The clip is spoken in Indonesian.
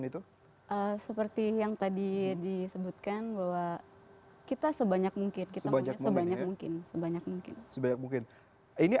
seperti yang tadi disebutkan kita sebanyak mungkin